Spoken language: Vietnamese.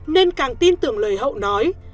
nên càng tin tưởng lời hậu nói